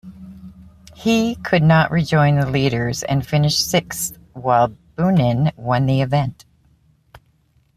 He could not rejoin the leaders and finished sixth, while Boonen won the event.